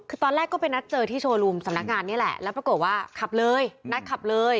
คือตอนแรกก็ไปนัดเจอที่โชว์รูมสำนักงานนี่แหละแล้วปรากฏว่าขับเลยนัดขับเลย